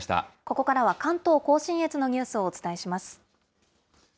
ここからは関東甲信越のニュースをお伝えします。